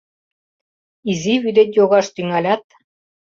Изи вӱдет йогаш тӱҥалят